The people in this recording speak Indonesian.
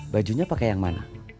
bajunya pakai yang mana